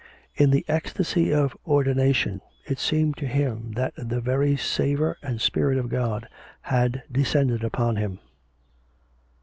In the ecstasy of ordination it seemed to him that the very savour and spirit of God had descended upon him.